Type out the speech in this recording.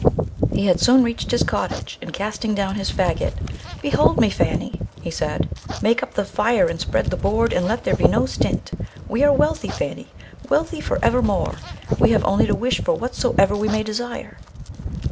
He had soon reached his cottage, and casting down his faggot: "Behold me, Fanny," he said. "Make up the fire and spread the board, and let there be no stint. We are wealthy, Fanny, wealthy for evermore; we have only to wish for whatsoever we may desire."